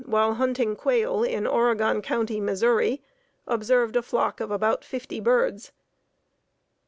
while hunting quail in Oregon County, Mo., observed a flock of about fifty birds.